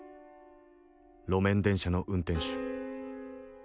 路面電車の運転手。